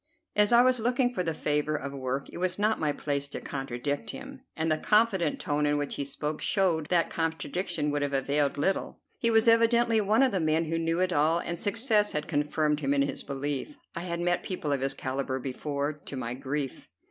As I was looking for the favor of work, it was not my place to contradict him, and the confident tone in which he spoke showed that contradiction would have availed little. He was evidently one of the men who knew it all, and success had confirmed him in his belief. I had met people of his calibre before, to my grief.